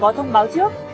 có thông báo trước